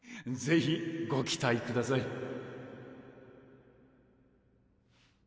ぜひご期待ください。